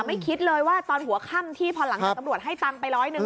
คิดเลยว่าตอนหัวค่ำที่พอหลังจากตำรวจให้ตังค์ไปร้อยหนึ่ง